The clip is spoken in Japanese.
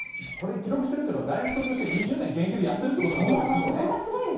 記録してるっていうことが、大学卒業して２０年、現役でやってるということがまずすごいです